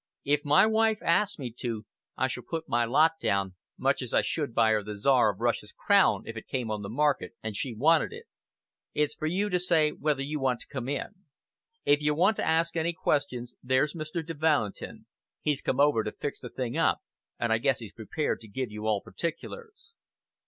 If my wife asks me to, I shall put my lot down, much as I should buy her the Czar of Russia's crown if it came on the market, and she wanted it. It's for you to say whether you want to come in. If you want to ask any questions, there's Mr. de Valentin. He's come over to fix the thing up, and I guess he's prepared to give you all particulars."